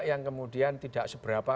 yang kemudian tidak seberapa